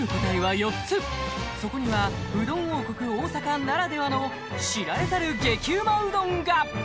そこにはうどん王国大阪ならではの知られざる激うまうどんが！